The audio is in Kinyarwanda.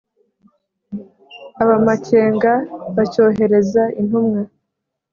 Ab' amakenga bacyohereza intumwa